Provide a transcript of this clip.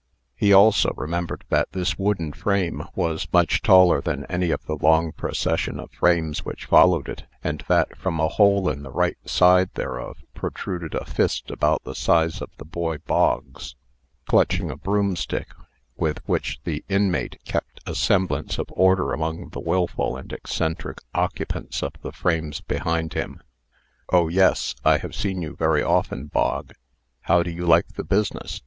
He also remembered that this wooden frame was much taller than any of the long procession of frames which followed it, and that, from a hole in the right side thereof, protruded a fist about the size of the boy Bog's, clutching a broomstick, with which the inmate kept a semblance of order among the wilful and eccentric occupants of the frames behind him. "Oh, yes; I have seen you very often, Bog. How do you like the business?"